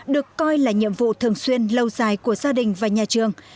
được coi là nhiệm vụ thường xuyên lâu dài của gia đình và nhà trường